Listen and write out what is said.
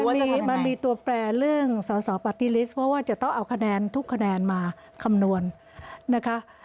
มันมีตัวแปลเรื่องสอสอปาร์ตี้ลิสต์เพราะว่าจะต้องเอาคะแนนทุกคะแนนมาคำนวณนะคะ